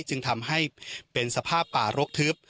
จึงทำให้เป็นสภาพป่ารกทึบ